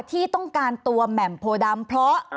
ที่ต้องการตัวแหม่มโพดำเพราะ